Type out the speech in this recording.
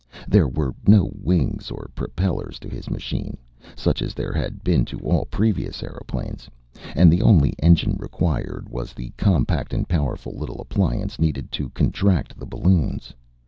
There were no wings or propellers to his machine, such as there had been to all previous aeroplanes, and the only engine required was the compact and powerful little appliance needed to contract the balloons.